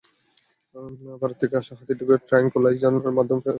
ভারত থেকে আসা হাতিটিকে ট্রাঙ্কুইলাইজারগানের মাধ্যমে ফের চেতনানাশক ওষুধ প্রয়োগ করা হয়েছে।